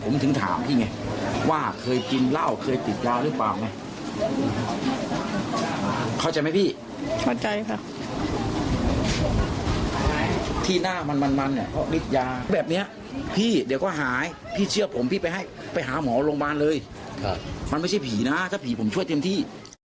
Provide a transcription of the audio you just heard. มันไม่ใช่ผีนะถ้าผีผมช่วยเตรียมที่